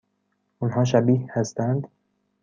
آنها شبیه هستند؟